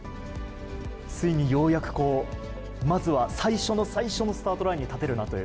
ついにようやく、まずは最初の最初のスタートラインに立てるなという。